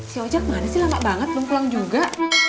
si ojek mana sih lama banget belum pulang juga